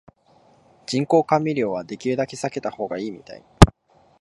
人工甘味料はできるだけ避けた方がいいみたい